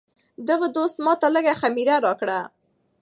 دغه دوست ماته لږه خمیره راکړه.